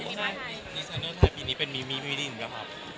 ดีไซเนอร์ไทยปีนี้เป็นมีมีมีดินเหรอครับ